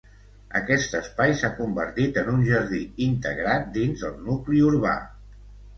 Aquest espai s'ha convertit en un jardí integrat dins el nucli urbà.